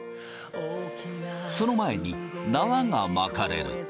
その前に縄が巻かれる。